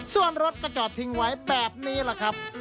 ส่วนรถก็จอดทิ้งไว้แบบนี้แหละครับ